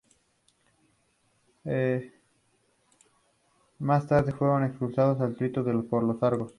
Más tarde fueron expulsados de Tirinto por Argos.